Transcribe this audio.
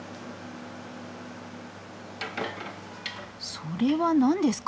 それは何ですか？